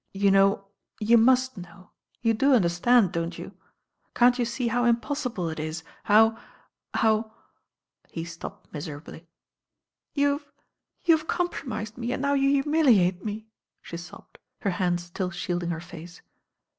"You know, you must know — ^you do understand, don't you? Can't you see how impossible it is, how— how " he stopped miserably. "Ypu've — you've compromised me and now you humiliate me," she sobbed, her hands still shielding her face.